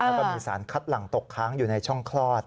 แล้วก็มีสารคัดหลังตกค้างอยู่ในช่องคลอด